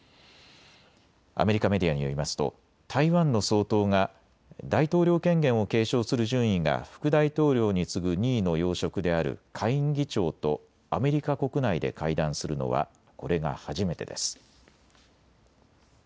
アメリカメディアによりますと台湾の総統が大統領権限を継承する順位が副大統領に次ぐ２位の要職である下院議長とアメリカ国内で会談するのはこれが初めてです。